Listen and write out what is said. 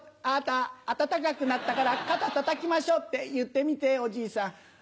あた暖かくなったから肩たたきましょ。って言ってみておじいさん。